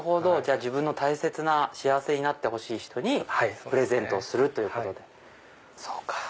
じゃあ自分の大切な幸せになってほしい人にプレゼントをするということで。